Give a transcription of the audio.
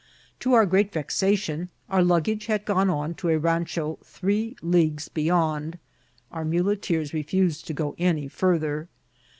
To our great vexation, our luggage had gone on to a rancho three leagues be^ yond. Our muleteers refused to go any farther.